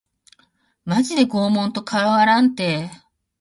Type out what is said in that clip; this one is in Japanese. マジで拷問と変わらんて